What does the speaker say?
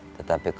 ini lebih agak